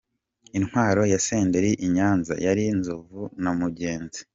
Intwaro ya Senderi i Nyanza yari Nzovu na mugenzi.